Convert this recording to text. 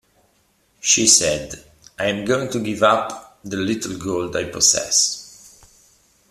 She said, 'I am going to give up the little gold I possess.